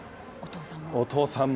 お父さんも。